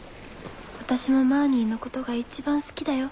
私もマーニーのことが一番好きだよ。